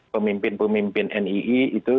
pemimpin pemimpin nii itu